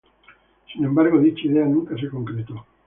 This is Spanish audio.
Sin embargo dicha idea nunca se concretó.